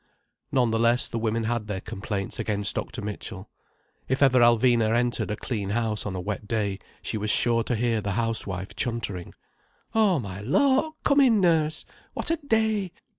None the less the women had their complaints against Dr. Mitchell. If ever Alvina entered a clean house on a wet day, she was sure to hear the housewife chuntering. "Oh my lawk, come in nurse! What a day!